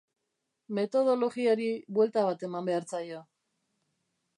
Metodologiari buelta bat eman behar zaio.